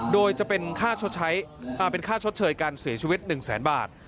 โดยจะเป็นค่าชดเชยการเสียชีวิต๑๐๐๐๐๐บาท